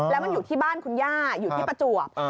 แล้วมันอยู่ที่บ้านคุณย่าอยู่ที่ประจวบ